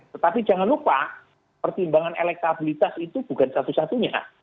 tetapi jangan lupa pertimbangan elektabilitas itu bukan satu satunya